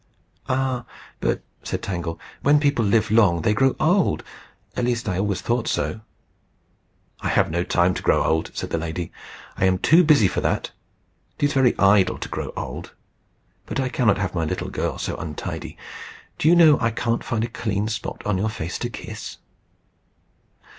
"Ah! but," said Tangle, "when people live long they grow old. At least I always thought so." "I have no time to grow old," said the lady. "I am too busy for that. It is very idle to grow old. But I cannot have my little girl so untidy. Do you know I can't find a clean spot on your face to kiss?"